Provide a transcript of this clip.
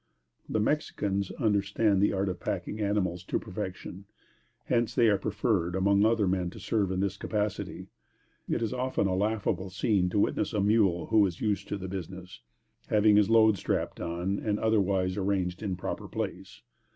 The Mexicans understand the art of packing animals to perfection, hence they are preferred before other men to serve in this capacity. It is often a laughable scene to witness a mule who is used to the business, having his load strapped on and otherwise arranged in proper place.